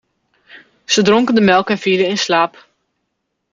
Ze dronken de melk en vielen in slaap.